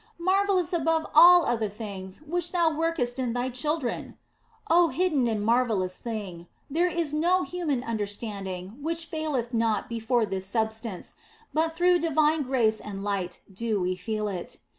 Marvellous above all other things which Thou workest in Thy children ! Oh, hidden and marvellous thing, there is no human under standing which faileth not before this substance, but through divine grace and light do we feel it.